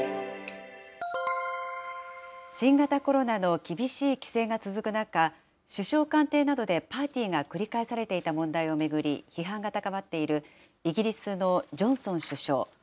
新型コロナの厳しい規制が続く中、首相官邸などでパーティーが繰り返されていた問題を巡り、批判が高まっているイギリスのジョンソン首相。